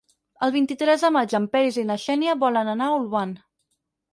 El vint-i-tres de maig en Peris i na Xènia volen anar a Olvan.